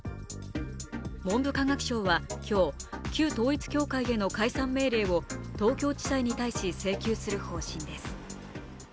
文部科学省は今日、旧統一教会への解散命令を東京地裁に対し請求する方針です。